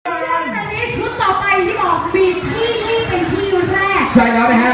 มันอะไรตอนนี้ชุดต่อไปที่บอกว่าบีชี่ที่นี่เป็นที่หัวแรก